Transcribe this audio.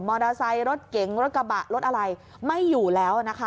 มอเตอร์ไซค์รถเก๋งรถกระบะรถอะไรไม่อยู่แล้วนะคะ